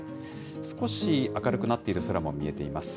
少し明るくなっている空も見えています。